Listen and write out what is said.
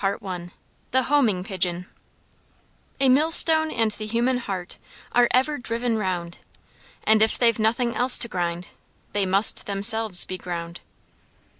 CHAPTER XVI The Homing Pigeon "A millstone and the human heart, Are ever driven round, And if they've nothing else to grind, They must themselves be ground."